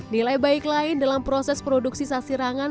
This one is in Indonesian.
nilai baik lain dalam proses produksi sasirangan